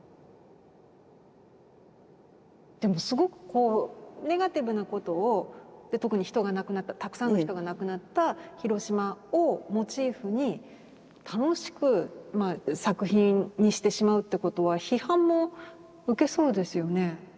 でもすごくこうネガティブなことを特に人が亡くなったたくさんの人が亡くなった広島をモチーフに楽しく作品にしてしまうってことは批判も受けそうですよね？